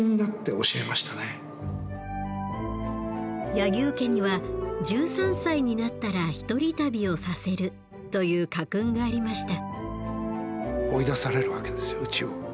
柳生家には１３歳になったら一人旅をさせるという家訓がありました。